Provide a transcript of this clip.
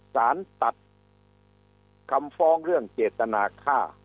สารตัดคำฟ้องเรื่องเจตนาฆ่า